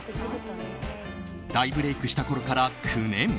大ブレークしたころから９年。